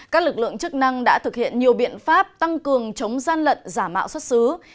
các lực lượng chức năng đã thực hiện nhiều biện pháp tăng cường chống gian lận giả mạo xuất xứ